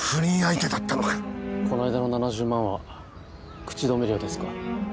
この間の７０万は口止め料ですか？